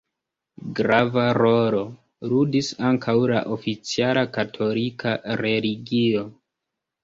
Grava rolo ludis ankaŭ la oficiala katolika religio.